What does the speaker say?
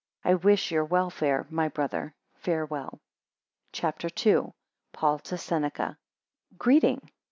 I wish your welfare, my brother. Farewell. CHAPTER II. PAUL to SENECA Greeting.